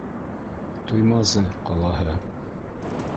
Туймазы ҡалаһы.